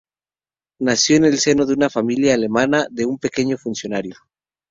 Nació en el seno de una familia alemana de un pequeño funcionario.